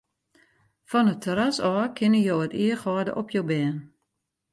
Fan it terras ôf kinne jo it each hâlde op jo bern.